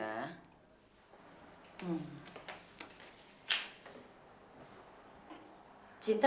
ada apa cinta